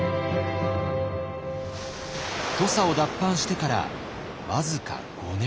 土佐を脱藩してから僅か５年。